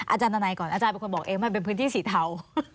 อาจารย์นานัยก่อนอาจารย์เป็นคนบอกเองมันเป็นพื้นที่สีเทา